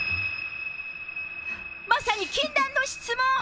まさに禁断の質問。